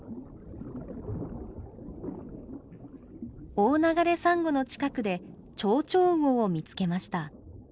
オオナガレサンゴの近くでチョウチョウウオを見つけました。